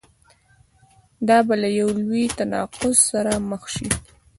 دا به له یوه لوی تناقض سره مخ شي.